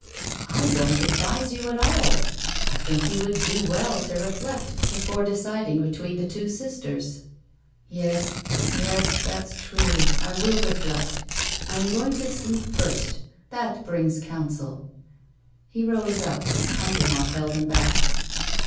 "I don't advise you at all. I think you would do well to reflect before deciding between the two sisters." "Yes yes that's true I will reflect I am going to sleep first that brings counsel." He rose up; Andermatt held him back.